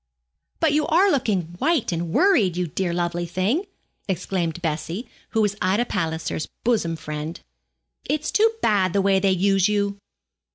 'But you are looking white and worried, you dear lovely thing,' exclaimed Bessie, who was Ida Palliser's bosom friend. 'It's too bad the way they use you.